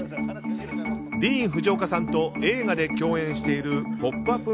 ディーン・フジオカさんと映画で共演している「ポップＵＰ！」